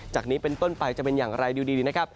จากนี้เป็นต้นไปจะเป็นอย่างไรดูดีนะครับ